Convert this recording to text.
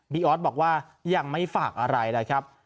ออสบอกว่ายังไม่ฝากอะไรนะครับ